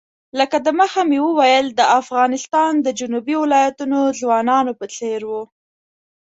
لکه د مخه مې وویل د افغانستان د جنوبي ولایتونو ځوانانو په څېر وو.